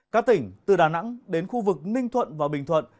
các tỉnh từ đà nẵng đến khu vực ninh thuận và bình thuận